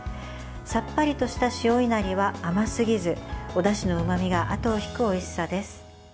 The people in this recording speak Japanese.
さっぱりとした塩いなりは甘すぎず、おだしのうまみがあとを引くおいしさです。